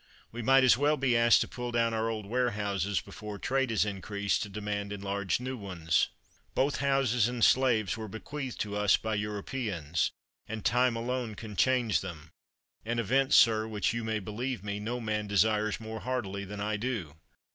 We might as well be asked to pull down our old warehouses before trade has increased to demand enlarged new ones. Both houses and slaves were bequeathed to us by Europeans, and time alone can change them an event, sir, which, you may believe me, no man desires more heartily than I do.